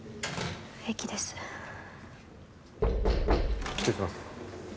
平気です失礼します